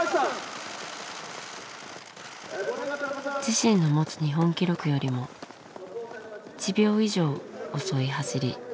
自身の持つ日本記録よりも１秒以上遅い走り。